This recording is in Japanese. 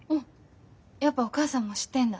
やっぱお母さんも知ってんだ。